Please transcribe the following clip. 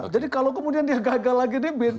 jadi kalau kemudian dia gagal lagi